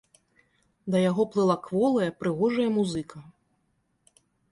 Да яго плыла кволая прыгожая музыка.